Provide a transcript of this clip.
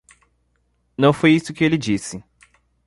Não foi isto que ele disse.